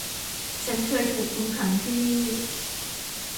ฉันเคยถูกคุมขังที่นี่